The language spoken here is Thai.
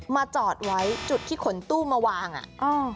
จอดไว้จุดที่ขนตู้มาวางอ่ะ